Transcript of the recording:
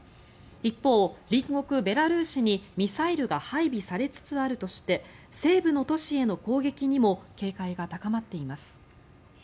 一方、隣国ベラルーシにミサイルが配備されつつあるとして西部の都市への攻撃にも警戒が高まっています。